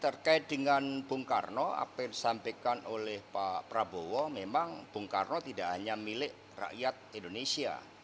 terkait dengan bung karno apa yang disampaikan oleh pak prabowo memang bung karno tidak hanya milik rakyat indonesia